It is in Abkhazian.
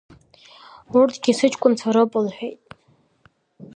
Урҭгьы сыҷкәынцәа роуп, — лҳәеит.